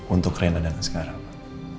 untuk rena dan sekarang pak